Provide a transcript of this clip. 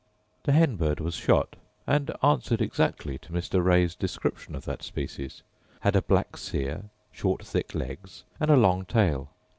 The hen bird was shot, and answered exactly to Mr. Ray's description of that species; had a black cere, short thick legs, and a long tail.